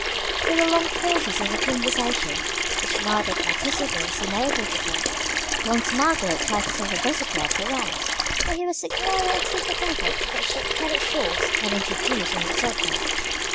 There were long pauses in the conversation, which neither participant seemed able to fill. Once Margaret tried to tell her visitor of her work, but he was so clearly unsympathetic that she cut it short and introduced another subject.